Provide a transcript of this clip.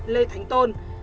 lê thánh tôn